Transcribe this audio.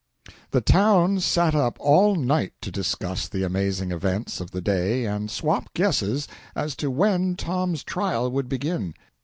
The town sat up all night to discuss the amazing events of the day and swap guesses as to when Tom's trial would begin.